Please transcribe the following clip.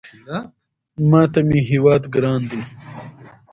ماته مې هېواد ګران دی